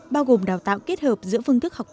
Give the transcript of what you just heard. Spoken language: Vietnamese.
bao gồm đào tạo kết hợp giữa phương thức học tập